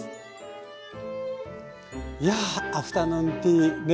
いやアフタヌーンティーね